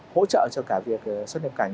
hỗ trợ cho cả việc xuất nhập cảnh